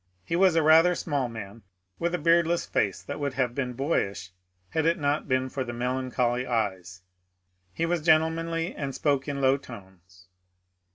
He was a rather small man, with a beardless face that would have been boyish had it not been for the melancholy eyes. He was gentlemanly and spoke in low tones.